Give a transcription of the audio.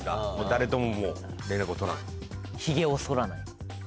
誰とももう連絡を取らない。